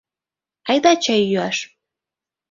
— Айда чай йӱаш!